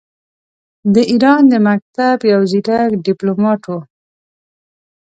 د ایران د مکتب یو ځیرک ډیپلوماټ وو.